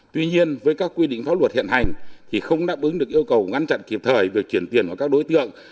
tuy nhiên với các quy định pháp luật hiện hành thì không đáp ứng được yêu cầu ngăn chặn kịp thời về chuyển tiền của các đối tượng